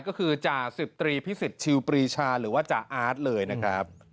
ก็คือจ่าสิบตรีพิสิทธิชิวปรีชาหรือว่าจ่าอาร์ตเลยนะครับ